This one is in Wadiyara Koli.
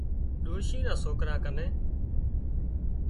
ڏوشي نان سوڪران ڪنين